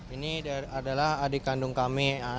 ini adalah adik kandung kami